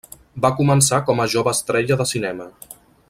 Va començar com a jove estrella de cinema.